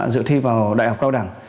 dự thi vào đại học cao đẳng